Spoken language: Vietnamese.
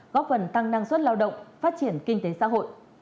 góp phần tăng năng suất lao động phát triển kinh tế xã hội